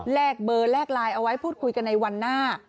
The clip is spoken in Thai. เบอร์แลกไลน์เอาไว้พูดคุยกันในวันหน้า